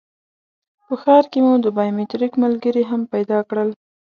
په ښار کې مو د بایومټریک ملګري هم پیدا کړل.